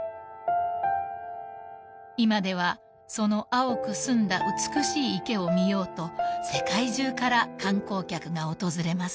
［今ではその青く澄んだ美しい池を見ようと世界中から観光客が訪れます］